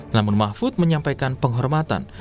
namun mahfud menyampaikan penghormatan